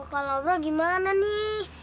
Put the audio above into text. kita kembali ke temenan aja